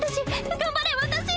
頑張れ私！